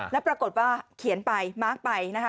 แล้วปรากฏว่าเขียนมาพนะฮะ